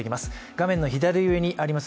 画面の左上にあります